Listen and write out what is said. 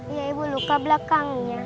iya ibu luka belakangnya